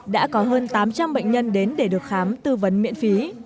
đã có hơn tám trăm linh bệnh nhân đến để được khám tư vấn miễn phí